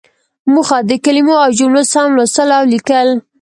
موخه: د کلمو او جملو سم لوستل او ليکل.